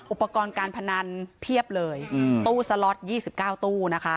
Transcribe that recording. อุปกรณ์การพนันเพียบเลยตู้สล็อตยี่สิบเก้าตู้นะคะ